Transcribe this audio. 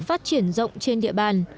phát triển rộng trên địa bàn